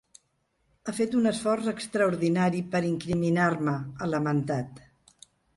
Ha fet un esforç extraordinari per incriminar-me, ha lamentat.